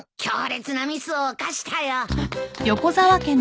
強烈なミスを犯したよ。